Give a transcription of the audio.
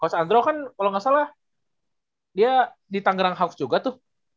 coach andro kan kalo gak salah dia di tangerang hawks juga tuh